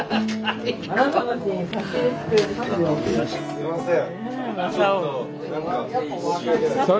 すいません！